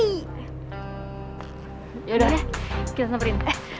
yaudah kita samperin